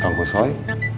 kau mau sesuai